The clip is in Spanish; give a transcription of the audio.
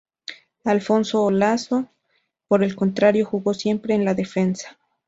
Alfonso Olaso, por el contrario, jugó siempre en la defensa.